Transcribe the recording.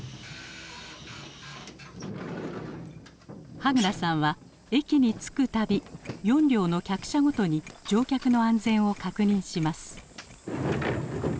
羽倉さんは駅に着く度４両の客車ごとに乗客の安全を確認します。